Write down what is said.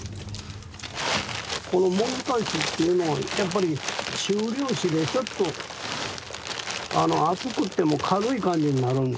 このもぐさ土っていうのはやっぱり中粒子でちょっと厚くっても軽い感じになるんですよ。